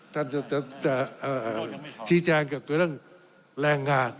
ท่านจะชี้แจงกับตัวเรื่องแรงงาน